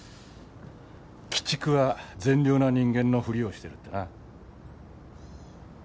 鬼畜は善良な人間のふりをしてるってな。